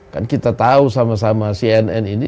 kan kita tahu sama sama cnn ini